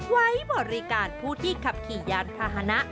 ไว้บริการผู้ที่ขับขี่ยานพาหนะ